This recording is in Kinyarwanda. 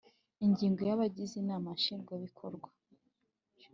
Ingingo ya Abagize Inama Nshingwabikorwa